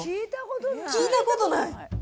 聞いたことない！